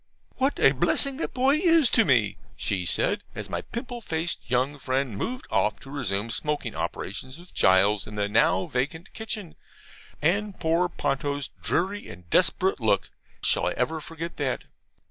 "What a blessing that boy is to me!" said she, as my pimple faced young friend moved off to resume smoking operations with Gules in the now vacant kitchen; and poor Ponto's dreary and desperate look, shall I ever forget that?